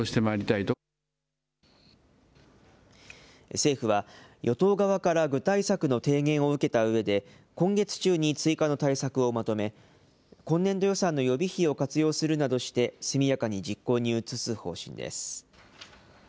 政府は、与党側から具体策の提言を受けたうえで今月中に追加の対策をまとめ、今年度予算の予備費を活用するなどして、速やかに実行に移す方針